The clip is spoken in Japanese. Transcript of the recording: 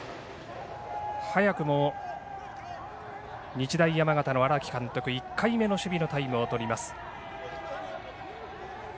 早くも日大山形の荒木監督１回目の守備のタイムをとります。